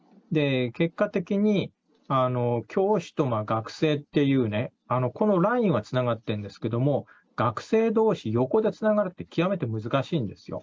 結果的に、教師と学生っていうね、このラインはつながってるんですけども、学生どうし、横でつながるって、極めて難しいんですよ。